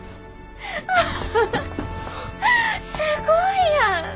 すごいやん！